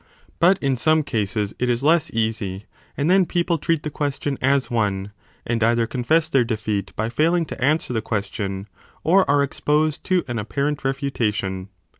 But in some cases it is less easy, and then people treat the question as one, and either confess their defeat by failing to answer the question, or are exposed to an apparent refuta 5 tion.